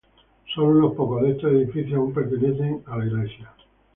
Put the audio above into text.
Sólo unos pocos de estos edificios aún pertenecen a la iglesia católica.